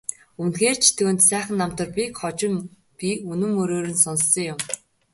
Үнэхээр ч түүнд сайхан намтар бийг хожим би үнэн мөнөөр нь сонссон юм.